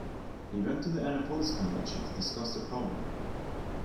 He went to the Annapolis Convention to discuss the problem.